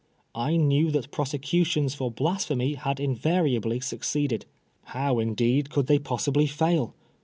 I knew that prosecntions for Blasphemy had invariably succeeded. How, indeed, could they possibly fail